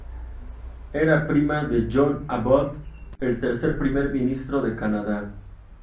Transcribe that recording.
Era prima de John Abbott, el tercer Primer ministro de Canadá.